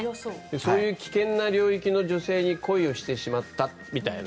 そういう危険な領域の女性に恋をしてしまったみたいな。